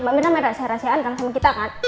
mbak mirna main rahasia rahasian kan sama kita kan